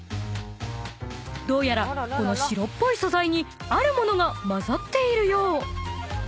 ［どうやらこの白っぽい素材にある物が混ざっているよう］